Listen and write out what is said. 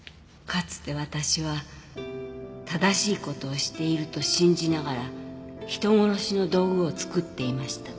「かつて私は正しいことをしていると信じながら人殺しの道具を作っていました」